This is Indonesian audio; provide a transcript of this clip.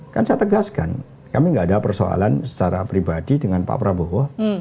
kan saya tegaskan kami tidak ada persoalan secara pribadi dengan pak prabowo